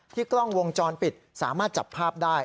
กล้องวงจรปิดสามารถจับภาพได้